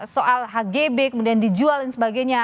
soal hgb kemudian dijual dan sebagainya